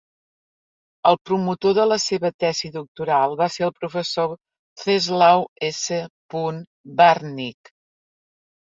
El promotor de la seva tesi doctoral va ser el professor Czeslaw S. Bartnik.